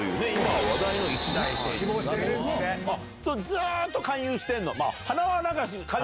ずっと勧誘してんの？